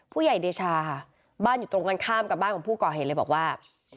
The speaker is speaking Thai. เดชาค่ะบ้านอยู่ตรงกันข้ามกับบ้านของผู้ก่อเหตุเลยบอกว่า